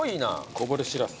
こぼれしらす。